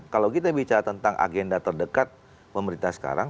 kalau kita bicara tentang agenda terdekat pemerintah sekarang